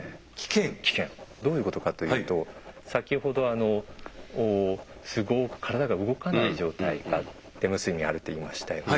どういうことかというと先ほどすごく体が動かない状態がレム睡眠あると言いましたよね。